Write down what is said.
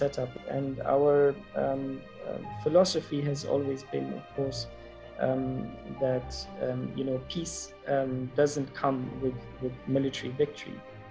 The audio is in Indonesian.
dan filosofi kita selalu adalah bahwa kebebasan tidak berlaku dengan kemenangan militer